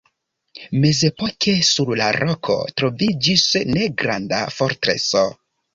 Mezepoke sur la roko troviĝis negranda fortreso.